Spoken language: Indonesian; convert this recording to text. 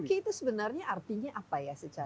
hoki itu sebenarnya artinya apa ya secara